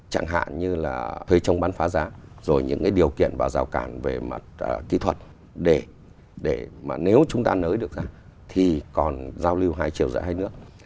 chẳng hạn như là thuê chống bán phá giá rồi những cái điều kiện và giao cản về mặt kỹ thuật để mà nếu chúng ta nới được ra thì còn giao lưu hai triệu giữa hai nước